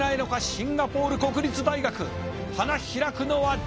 シンガポール国立大学花開くのは誰か？